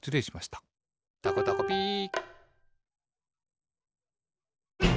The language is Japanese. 「たこたこピー」